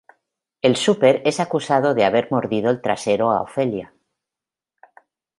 El Súper es acusado de haber mordido el trasero a Ofelia.